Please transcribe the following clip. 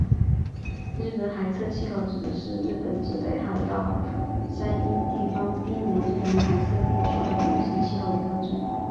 日本海侧气候指的是日本自北海道到山阴地方滨临日本海侧地区的冬型气候的特征。